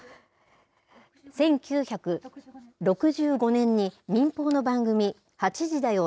１９６９年に民放の番組、８時だョ！